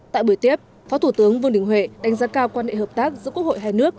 tại buổi tiếp phó thủ tướng vương đình huệ đánh giá cao quan hệ hợp tác giữa quốc hội hai nước